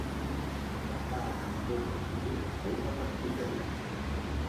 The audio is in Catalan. Se’n va anar tot decidit a una pastisseria.